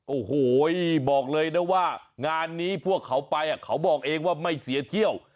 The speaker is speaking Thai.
โอ้โหบอกเลยนะว่างานนี้พวกเขาไปเขาบอกเองว่าไม่เสียเที่ยว